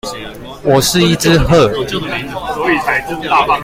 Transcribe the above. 我是一隻鶴